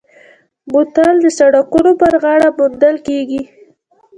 بوتل د سړکونو پر غاړه موندل کېږي.